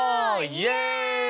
イエイ！